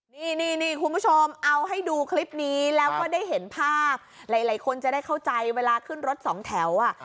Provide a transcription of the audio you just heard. นี่นี่คุณผู้ชมเอาให้ดูคลิปนี้แล้วก็ได้เห็นภาพหลายคนจะได้เข้าใจเวลาขึ้นรถสองแถวอ่ะ